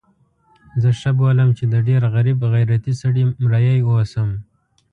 زه ښه بولم چې د ډېر غریب غیرتي سړي مریی اوسم.